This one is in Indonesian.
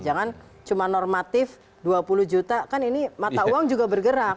jangan cuma normatif dua puluh juta kan ini mata uang juga bergerak